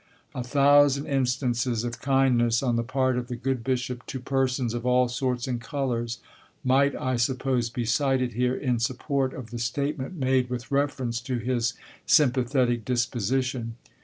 A thousand instances of kindness on the part of the good bishop to persons of all sorts and colors might, I suppose, be cited here in support of the statement made with reference to his sympathetic disposition.